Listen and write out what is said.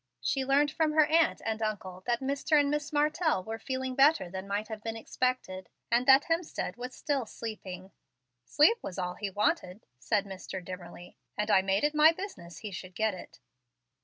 She learned from her aunt and uncle that Mr. and Miss Martell were feeling better than might have been expected, and that Hemstead was still sleeping. "Sleep was all he wanted," said Mr. Dimmerly; "and I made it my business he should get it."